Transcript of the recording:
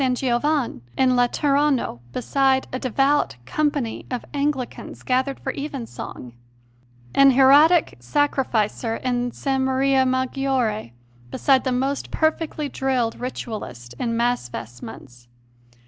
Giovanne in Laterano beside a devout company of Anglicans gathered for Evensong; an hieratic sacrificer in S. Maria Maggiore beside the most perfectly drilled Ritualist in Mass vestments!